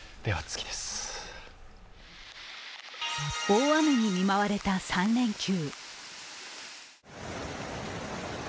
大雨に見舞われた３連休。